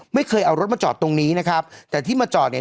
ไม่เคยเอารถมาจอดตรงนี้นะครับแต่ที่มาจอดเนี่ย